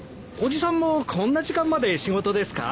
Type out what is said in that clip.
伯父さんもこんな時間まで仕事ですか？